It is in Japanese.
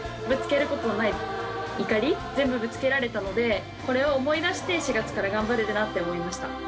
ぶつけることのない怒り全部ぶつけられたのでこれを思い出して４月から頑張れるなって思いました。